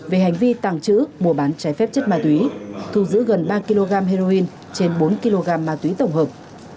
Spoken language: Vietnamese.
về hành vi tàng trữ mua bán trái phép chất ma túy thu giữ gần ba kg heroin trên bốn kg ma túy tổng hợp